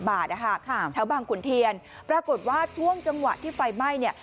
ข้ามเดียวกับถึงแถวบางขุนเทียนปรากฏว่าช่วงจังหวะที่ไฟไหม้เนี่ย